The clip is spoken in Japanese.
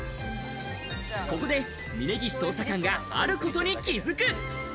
ここで峯岸捜査官があることに気付く。